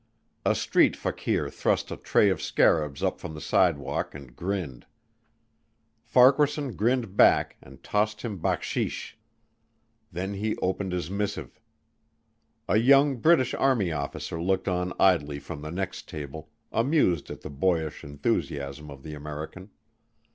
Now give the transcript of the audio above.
A street fakir thrust a tray of scarabs up from the sidewalk and grinned. Farquaharson grinned back and tossed him backsheesh. Then he opened his missive. A young British army officer looked on idly from the next table, amused at the boyish enthusiasm of the American.